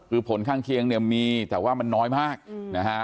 คือผลข้างเคียงเนี่ยมีแต่ว่ามันน้อยมากนะฮะ